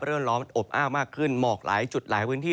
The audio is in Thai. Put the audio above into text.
เริ่มร้อนอบอ้าวมากขึ้นหมอกหลายจุดหลายพื้นที่